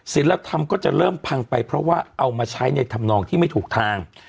ศิลธรรมก็จะเริ่มพังไปเพราะว่าเอามาใช้ในธรรมนองที่ไม่ถูกทาง